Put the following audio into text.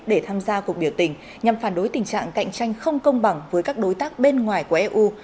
để tham gia cuộc biểu tình nhằm phản đối tình trạng cạnh tranh không công bằng với các đối tác bên ngoài của eu